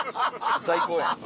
最高やん。